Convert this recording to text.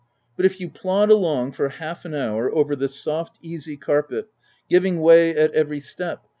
But if you plod along, for half an hour, over this soft, easy carpet — giving way at every step